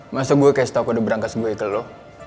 masa gue kasih tau kode berangkas gue ke lo